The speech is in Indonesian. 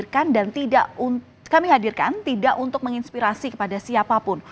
kami hadirkan tidak untuk menginspirasi kepada siapapun